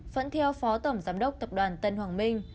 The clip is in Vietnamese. vẫn theo phó tổng giám đốc tập đoàn tân hoàng minh